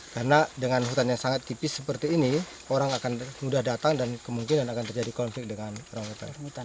karena dengan hutan yang sangat tipis seperti ini orang akan mudah datang dan kemungkinan akan terjadi konflik dengan orangutannya